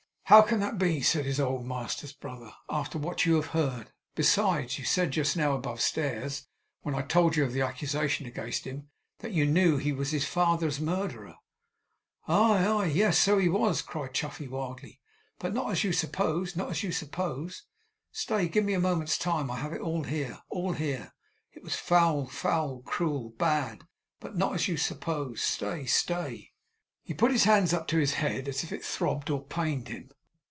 'How can that be,' said his old master's brother, 'after what you have heard? Besides, you said just now, above stairs, when I told you of the accusation against him, that you knew he was his father's murderer.' 'Aye, yes! and so he was!' cried Chuffey, wildly. 'But not as you suppose not as you suppose. Stay! Give me a moment's time. I have it all here all here! It was foul, foul, cruel, bad; but not as you suppose. Stay, stay!' He put his hands up to his head, as if it throbbed or pained him.